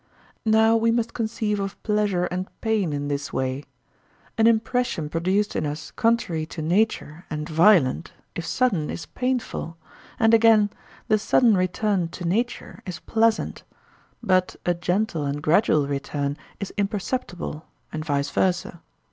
Now we must conceive of pleasure and pain in this way. An impression produced in us contrary to nature and violent, if sudden, is painful; and, again, the sudden return to nature is pleasant; but a gentle and gradual return is imperceptible and vice versa.